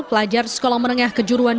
pelajar sekolah menengah kejuruan